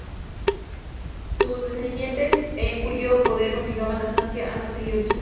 Sus descendientes, en cuyo poder continúa la estancia, han mantenido dicha tradición.